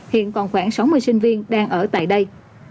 hiện còn khoảng sáu mươi sinh viên đang ở tại đây